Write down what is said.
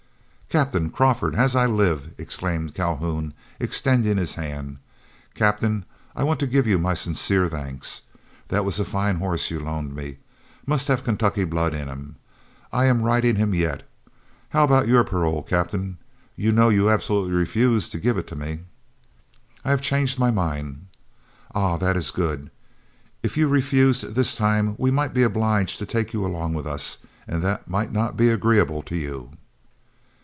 "Captain Crawford, as I live," exclaimed Calhoun, extending his hand. "Captain, I want to give you my sincere thanks. That was a fine horse you loaned me. Must have Kentucky blood in him. I am riding him yet. How about your parole, Captain? You know you absolutely refused to give it to me." "I have changed my mind." "Ah! that is good. If you refused this time we might be obliged to take you along with us, and that might not be agreeable to you."